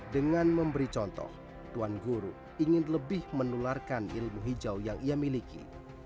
dengan memberi contoh tuan guru ingin lebih menularkan ilmu hijau yang ia miliki